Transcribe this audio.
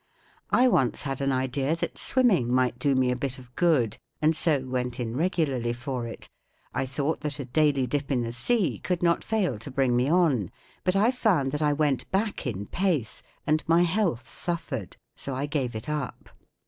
I once had an idea that swimming might do me a bit of good, and so went in regularly for it* I thought that a daily dip in the sea could not fail to bring me on, but I found that I went back in pace and my health suffered. So I gave it up.